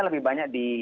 lebih banyak di